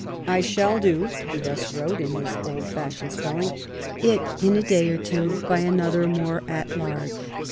I shall doe," he thus wrote, in his old fashioned spelling, " it in a day or two by another more att large."